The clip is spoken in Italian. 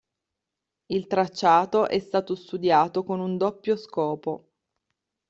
Il tracciato è stato studiato con un doppio scopo.